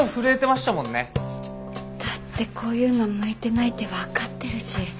だってこういうの向いてないって分かってるし。